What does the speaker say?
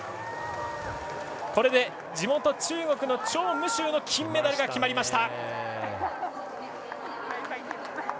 これで、地元・中国の張夢秋の金メダルが決まりました！